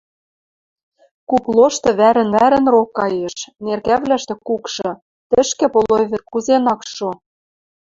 Куп лошты вӓрӹн-вӓрӹн рок каеш, неркӓвлӓштӹ кукшы, тӹшкӹ полой вӹд кузен ак шо.